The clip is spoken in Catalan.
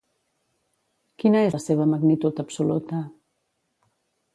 Quina és la seva magnitud absoluta?